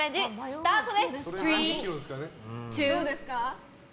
スタートです！